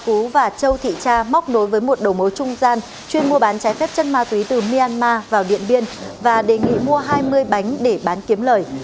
trang a cú và châu thị tra móc nối với một đồng mối trung gian chuyên mua bán trái phép chân ma túy từ myanmar vào điện biên và đề nghị mua hai mươi bánh để bán kiếm lời